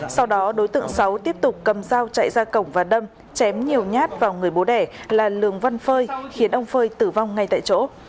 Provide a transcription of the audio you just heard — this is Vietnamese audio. sau đó đối tượng sáu tiếp tục cầm dao chạy ra cổng và đâm chém nhiều nhát vào người bố đẻ là lường văn phơi khiến ông phơi tử vong ngay tại chỗ